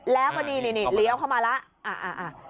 แล้วก็นี่เลี้ยวเข้ามาแล้ว